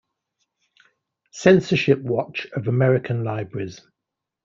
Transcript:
Censorship Watch of American Libraries.